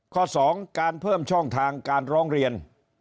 ๒การเพิ่มช่องทางการร้องเรียน